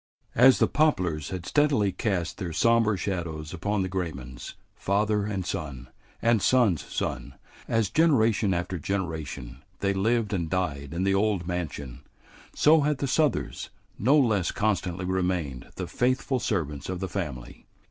As the poplars had steadily cast their sombre shadows upon the Graymans, father and son and son's son, as generation after generation they lived and died in the old mansion, so had the Southers no less constantly remained the faithful servants of the family.